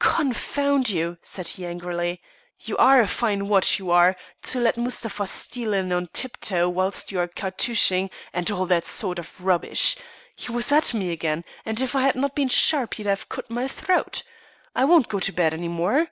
"Confound you!" said he angrily, "you are a fine watch, you are, to let Mustapha steal in on tiptoe whilst you are cartouching and all that sort of rubbish. He was at me again, and if I had not been sharp he'd have cut my throat. I won't go to bed any more!"